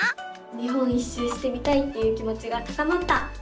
日本一周してみたいっていう気もちが高まった！